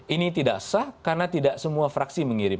ini tidak sah karena tidak semua fraksi mengirim